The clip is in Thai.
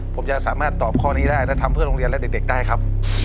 ผมจะสามารถตอบข้อนี้ได้และทำเพื่อโรงเรียนและเด็กได้ครับ